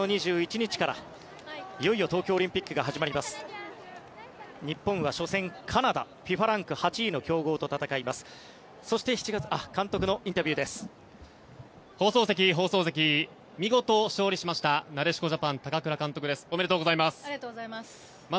日本は初戦カナダＦＩＦＡランク８位の強豪と戦います。